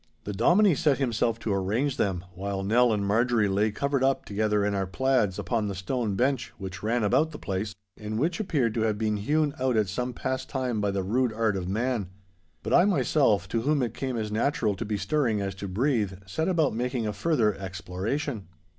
The Dominie set himself to arrange them, while Nell and Marjorie lay covered up together in our plaids upon the stone bench which ran about the place, and which appeared to have been hewn out at some past time by the rude art of man. But I myself, to whom it came as natural to be stirring as to breathe, set about making a further exploration.